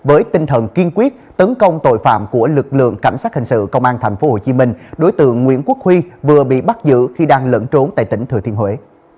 ông tội phạm của lực lượng cảnh sát hành sự công an tp hcm đối tượng nguyễn quốc huy vừa bị bắt giữ khi đang lẫn trốn tại tỉnh thừa thiên huế